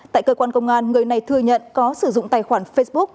tại cơ quan công an người này thừa nhận có sử dụng tài khoản facebook